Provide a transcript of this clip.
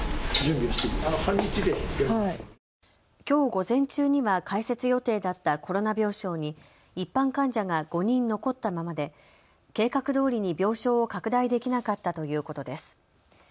きょう午前中には開設予定だったコロナ病床に一般患者が５人残ったままで計画どおりに病床を拡大できなかったということです。